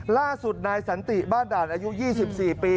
ล่าสุดนายสันติบ้านด่านอายุ๒๔ปี